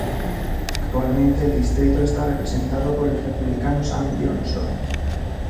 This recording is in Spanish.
Actualmente el distrito está representado por el Republicano Sam Johnson.